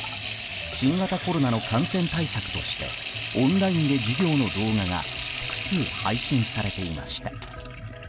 新型コロナの感染対策としてオンラインで授業の動画が複数配信されていました。